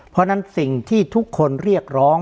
เพราะฉะนั้นสิ่งที่ทุกคนเรียกร้อง